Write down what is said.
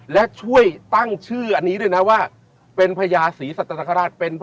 และช่วยตั้งชื่ออันนี้ด้วยนะว่าเป็นพญาศรีสัตนคราช